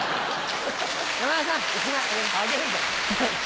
山田さん１枚あげるから。